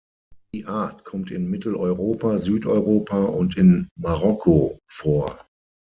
Die Art kommt in Mitteleuropa, Südeuropa und in Marokko vor.